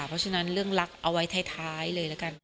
เพราะฉะนั้นเรื่องรักเอาไว้ท้ายเลยละกัน